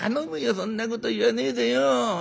そんなこと言わねえでよ。